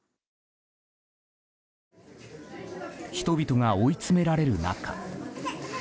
人々が追いつめられる中。